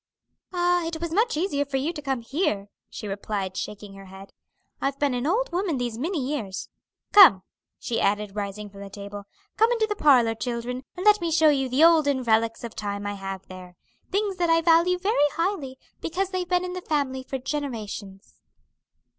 "Ah, it was much easier for you to come here," she replied, shaking her head. "I've been an old woman these many years. Come," she added, rising from the table, "come into the parlor, children, and let me show you the olden relics of time I have there things that I value very highly, because they've been in the family for generations."